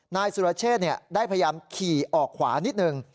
นายสุรเชษได้พยายามขี่ออกขวานิดนึง